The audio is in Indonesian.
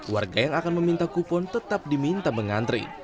warga yang akan meminta kupon tetap diminta mengantri